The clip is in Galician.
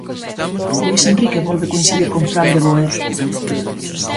Luís Enrique volve coincidir con Fran De Boer.